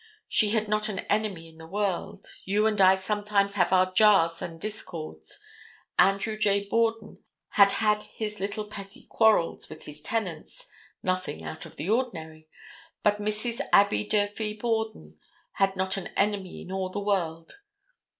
She had not an enemy in the world. You and I sometimes have our jars and discords. Andrew J. Borden had had his little petty quarrels with his tenants, nothing out of the ordinary, but Mrs. Abby Durfee Borden had not an enemy in all the world.